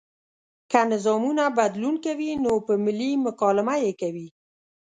که نظامونه بدلون کوي نو په ملي مکالمه یې کوي.